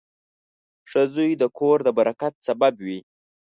• ښه زوی د کور د برکت سبب وي.